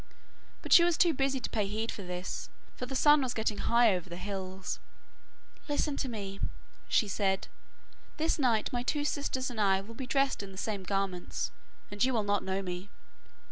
But she was too busy to pay heed to this, for the sun was getting high over the hills. 'Listen to me,' she said. 'This night my two sisters and I will be dressed in the same garments, and you will not know me.